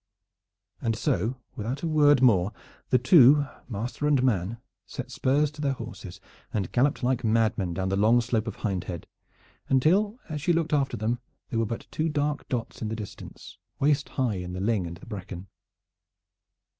And so without a word more the two, master and man, set spurs to their horses and galloped like madmen down the long slope of Hindhead, until as she looked after them they were but two dark dots in the distance, waist high in the ling and the bracken.